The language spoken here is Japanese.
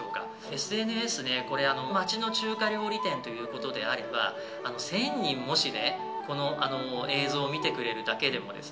ＳＮＳで町の中華料理店という事であれば１０００人もしねこの映像を見てくれるだけでもですね